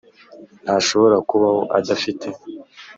ntashobora kubaho adafite.